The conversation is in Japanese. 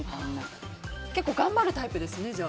じゃあ結構頑張るタイプですね。